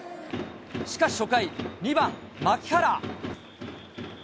しかし初回、２番牧原。